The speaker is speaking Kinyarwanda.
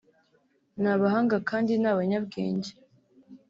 ni abahanga kandi ni abanyabwenge